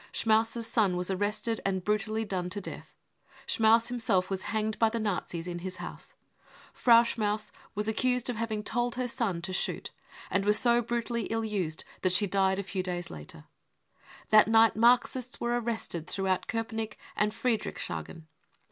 Schmaus's son was arrested and brutally done to death. Schmaus himself was hanged by the Nazis in his house. Frau Schmaus was accused of having told her son to shoot, and was so brutally ill used that she died a few days later. That night cc Marxists 99 were arrested throughout Kopenick and Friedrichshagen.